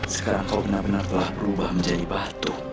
sekarang kau benar benar telah berubah menjadi batu